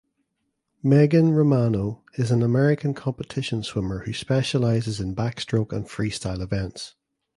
Megan Romano is an American competition swimmer who specializes in backstroke and freestyle events.